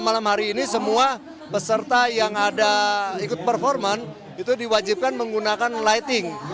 malam hari ini semua peserta yang ada ikut performan itu diwajibkan menggunakan lighting